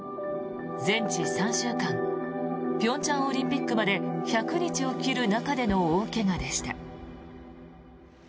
全治３週間平昌オリンピックまで１００日を切る中での大怪我でした。